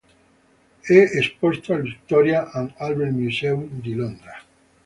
È esposto al Victoria and Albert Museum di Londra.